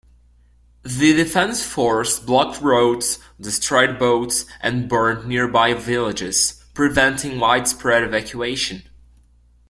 The defense force blocked roads, destroyed boats, and burnt nearby villages, preventing widespread evacuation.